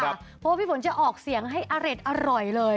เพราะว่าพี่ฝนจะออกเสียงให้อเร็ดอร่อยเลย